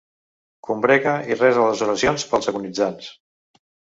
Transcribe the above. Combrega i resa les oracions pels agonitzants.